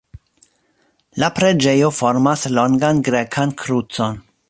La preĝejo formas longan grekan krucon.